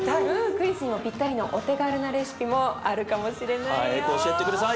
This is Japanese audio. クリスにもぴったりのお手軽なレシピもあるかもしれないよ。